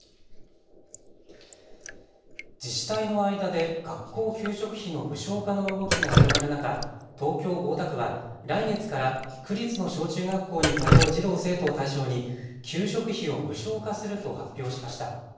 自治体の間で学校給食費の無償化の動きが広がる中、東京大田区は来月から区立の小中学校に通う児童生徒を対象に給食費を無償化すると発表しました。